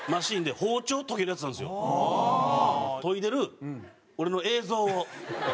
研いでる俺の映像を。